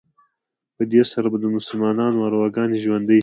په دې سره به د مسلمانانو ارواګانې ژوندي شي.